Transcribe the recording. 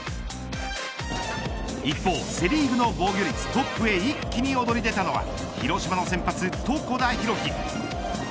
一方、セ・リーグの防御率トップへ一気に躍り出たのは広島の先発、床田寛樹。